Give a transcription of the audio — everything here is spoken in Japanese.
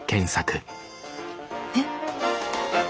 えっ！